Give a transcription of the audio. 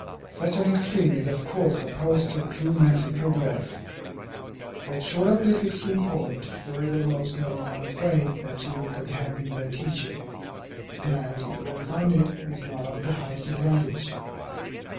Such an extreme is of course opposed to true mental progress. But short of this extreme point, there is almost no amount of faith that children can have in their teacher, that, if well founded, is not of the highest advantage.